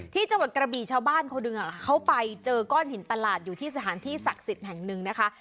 ที่จังหวัดกระบีชาวบ้านคนหนึ่งเขาไปเจอก้อนหินประหลาดอยู่ที่สถานที่ศักดิ์สิทธิ์แห่งหนึ่งนะคะ